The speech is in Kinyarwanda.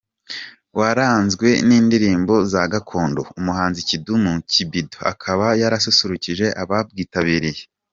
Waranzwe n’indirimbo za gakondo, umuhanzi Kidumu Kibido akaba yarasusurukije abawitabiriye.